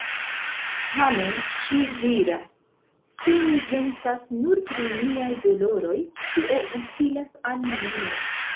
Tamen ŝi diras: “Se mi pensas nur pri miaj doloroj, tio utilas al nenio.